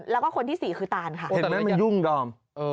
แล้วก็คนที่๔คือตานค่ะแต่โรสก็ยังไม่ยุ่งดอม